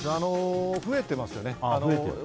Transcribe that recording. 増えてますよね。